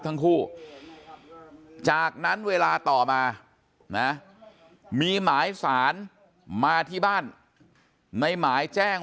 ทั้งคู่จากนั้นเวลาต่อมานะมีหมายสารมาที่บ้านในหมายแจ้ง